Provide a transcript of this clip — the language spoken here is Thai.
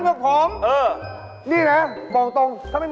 เจ้าเห็นว่าวของข้ามั้ย